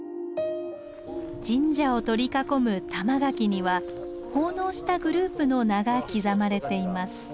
神社を取り囲む玉垣には奉納したグループの名が刻まれています。